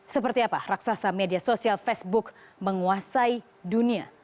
seperti apa raksasa media sosial facebook menguasai dunia